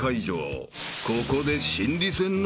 ［ここで］